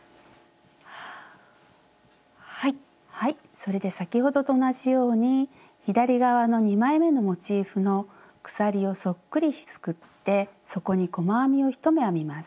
それで先ほどと同じように左側の２枚めのモチーフの鎖をそっくりすくってそこに細編みを１目編みます。